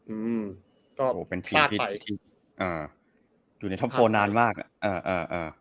อืมโหเป็นที่ที่อ่าอยู่ในท็อปโฟร์นานมากอ่าอ่า